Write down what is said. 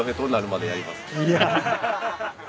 いや。